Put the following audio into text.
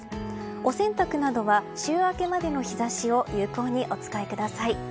お洗濯などは週明けまでの日差しを有効にお使いください。